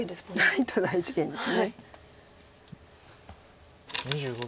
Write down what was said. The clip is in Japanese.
ないと大事件です。